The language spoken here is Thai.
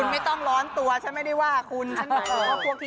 คุณไม่ต้องร้อนตัวฉันไม่ได้ว่าคุณฉันก็ควรคิดไม่ดี